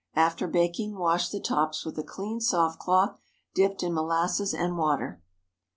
After baking, wash the tops with a clean soft cloth dipped in molasses and water.